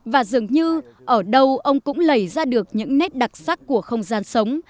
và dường như ở đâu ông cũng lầy ra được những nét đặc sắc của không gian sống